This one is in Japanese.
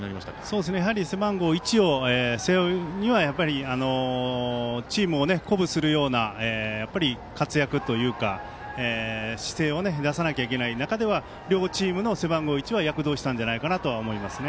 背番号１を背負うにはチームを鼓舞するような活躍というか姿勢を出さなきゃいけない中では両チームの背番号１が躍動したんじゃないかと思いますね。